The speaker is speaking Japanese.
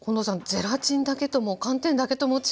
ゼラチンだけとも寒天だけとも違う。